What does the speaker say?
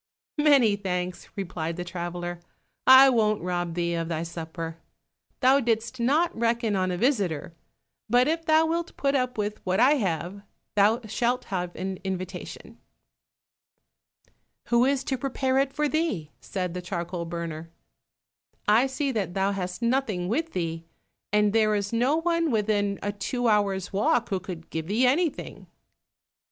"Many thanks," replied the traveler, "I won't rob thee of thy supper; thou didst not reckon on a visitor, but if thou wilt put up with what I have, thou shalt have an invitation." "Who is to prepare it for thee?" said the charcoal burner. "I see that thou hast nothing with thee, and there is no one within a two hours' walk who could give thee anything."